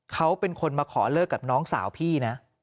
เขาเป็นคนมาขอเลิกกับน้องสาวพี่นะ